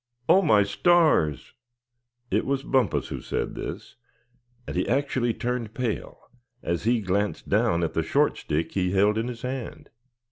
Oh! my stars!" It was Bumpus who said this; and he actually turned pale as he glanced down at the short stick he held in his hand.